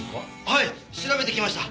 はい調べてきました。